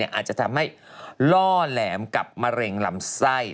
อาจจะทำให้ล่อแหลมกับมะเร็งลำไส้